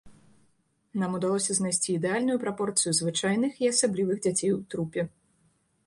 Нам удалося знайсці ідэальную прапорцыю звычайных і асаблівых дзяцей у трупе.